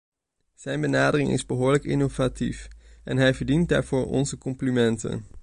Zijn benadering is behoorlijk innovatief, en hij verdient daarvoor onze complimenten.